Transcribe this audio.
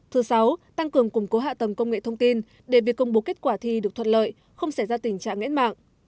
thứ sáu tăng cường củng cố hạ tầng công nghệ thông tin để việc công bố kết quả thi được thuận lợi không xảy ra tình trạng nghẽn mạng